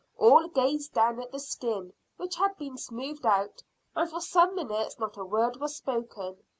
All gazed down at the skin, which had been smoothed out, and for some minutes not a word was spoken.